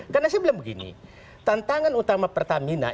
karena sebelum ini tantangan utama pertamina